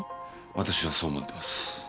私はそう思ってます。